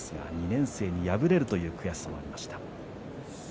２年生に敗れるという悔しさを感じました。